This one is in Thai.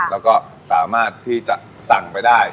แล้วก็สามารถที่จะสั่งไปได้